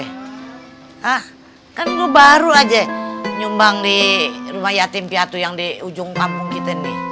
hah kan lu baru aja nyumbang di rumah yatim piatu yang di ujung pakang